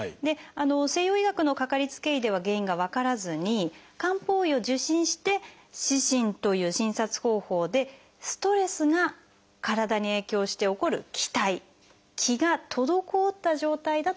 西洋医学のかかりつけ医では原因が分からずに漢方医を受診して四診という診察方法でストレスが体に影響して起こる「気滞」気が滞った状態だということが分かりました。